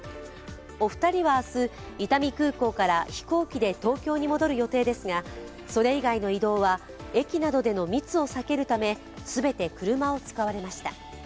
お二人は明日、伊丹空港から飛行機で東京に戻る予定ですが、それ以外の移動は、駅などでの密を避けるため、全て車を使われました。